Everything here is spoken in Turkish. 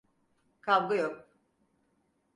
Kavga yok.